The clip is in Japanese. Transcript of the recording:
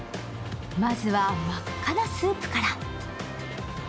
まずは真っ赤なスープから。